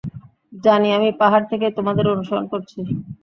জানি আমি, পাহাড় থেকেই তোমাদের অনুসরণ করছি।